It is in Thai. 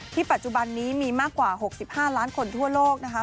ปัจจุบันนี้มีมากกว่า๖๕ล้านคนทั่วโลกนะคะ